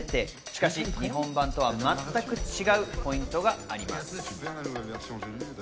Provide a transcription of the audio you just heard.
しかし、日本版とは全く違うポイントがあります。